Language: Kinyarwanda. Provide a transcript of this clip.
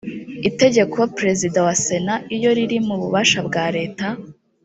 itegeko perezida wa sena iyo riri mu bubasha bwa leta